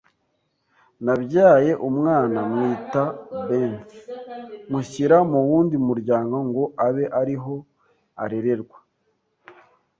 Nabyaye umwana mwita Beth, mushyira mu wundi muryango ngo abe ari ho arererwa